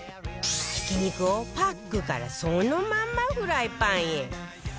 ひき肉をパックからそのまんまフライパンへ